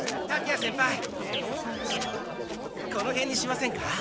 このへんにしませんか？